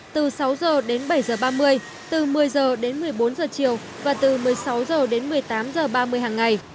từ sáu h đến bảy h ba mươi từ một mươi h đến một mươi bốn h chiều và từ một mươi sáu h đến một mươi tám h ba mươi hàng ngày